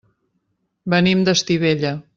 Venim d'Estivella.